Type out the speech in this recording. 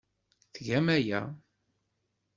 Tgam aya.